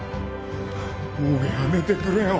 もうやめてくれよ。